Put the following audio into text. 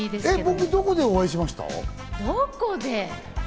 僕、どこでお会いしました？どこで？